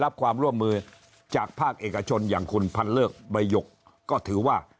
รับความร่วมมือจากภาคเอกชนอย่างคุณพันเลิกใบหยกก็ถือว่า